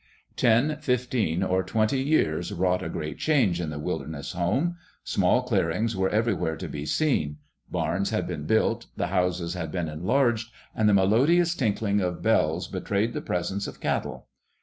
Ten, fifteen, or twenty years wrought a great change in the wilderness home. Small clearings were everywhere to be seen. Barns had been built, the houses had been enlarged, and the melodious tinkling of bells betrayed the presence of cattle.